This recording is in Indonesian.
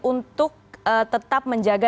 untuk tetap menjaga